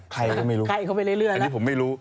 ใครก็ไม่รู้อันนี้ผมไม่รู้